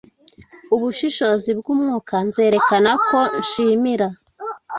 Ubushishozi bwumwuka Nzerekana ko nshimira